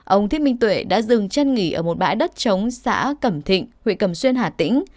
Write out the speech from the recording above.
ông thiết minh tuệ đã dừng chân nghỉ ở một bãi đất trống xã cẩm thịnh huyện cẩm xuyên hà tĩnh